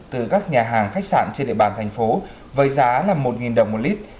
từ các nhà hàng khách sạn trên địa bàn thành phố với giá là một đồng một lít